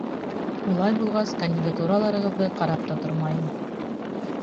Улай булғас, кандидатураларығыҙҙы ҡарап та тормайым.